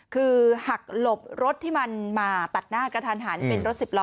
คือหักหลบรถที่มันมาตัดหน้ากระทันหันเป็นรถสิบล้อ